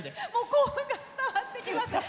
興奮が伝わってきます。